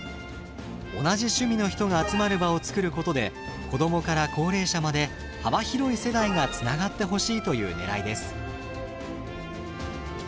同じ趣味の人が集まる場を作ることで子どもから高齢者まで幅広い世代がつながってほしいというねらいです。